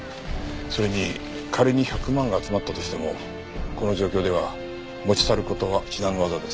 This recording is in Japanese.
それに仮に１００万集まったとしてもこの状況では持ち去る事は至難の業です。